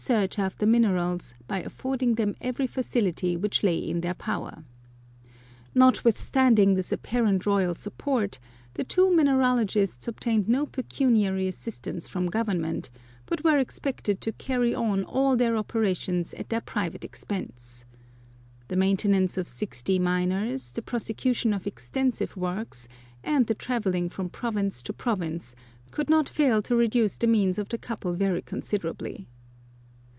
search after minerals by affording them every facility which lay in their power. Notwith 157 Curiosities of Olden Times standing this apparent royal support, the two mineralogists obtained no pecuniary assistance from Government, but were expected to carry on all their operations at their private expense. The mainten ance of sixty miners, the prosecution of extensive works, and the travelling from province to province, could not fail to reduce the means of the couple very considerably.